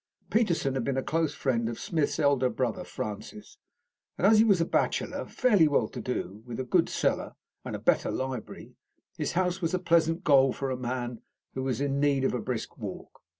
Peterson had been a close friend of Smith's elder brother Francis, and as he was a bachelor, fairly well to do, with a good cellar and a better library, his house was a pleasant goal for a man who was in need of a brisk walk.